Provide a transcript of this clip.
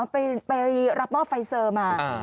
ไปรับมอบไฟเซอร์มา